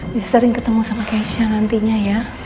lebih sering ketemu sama keisha nantinya ya